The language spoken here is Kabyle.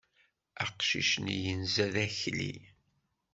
Aqcic-nni yenza d akli.